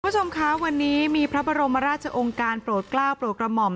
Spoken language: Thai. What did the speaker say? คุณผู้ชมคะวันนี้มีพระบรมราชองค์การโปรดกล้าวโปรดกระหม่อม